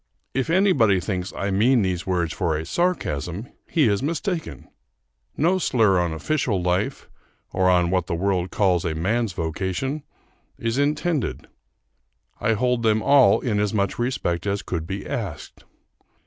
If anybody thinks I mean these words for a sarcasm, he is mistaken: no slur on official life, or on what the world calls a man's vocation, is intended. I hold them all in as much respect as could be asked.